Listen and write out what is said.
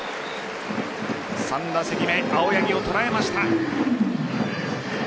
３打席目、青柳を捉えました。